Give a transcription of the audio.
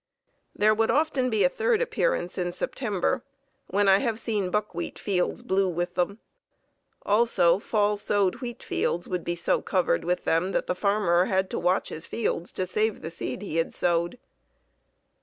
There would often be a third appearance in September, when I have seen buckwheat fields blue with them. Also fall sowed wheat fields would be so covered with them that the farmer had to watch his fields to save the seed he had sowed.